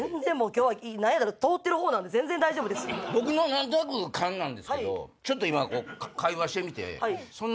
何となく勘なんですけどちょっと今会話してみて。